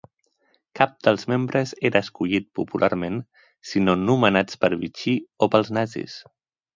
Cap dels membres era escollit popularment, sinó nomenats per Vichy o pels nazis.